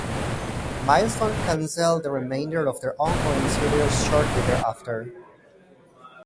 Milestone canceled the remainder of their ongoing series shortly thereafter.